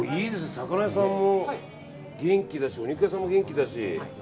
魚屋さんも元気ですしお肉屋さんも元気だし。